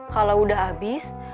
kalau sudah habis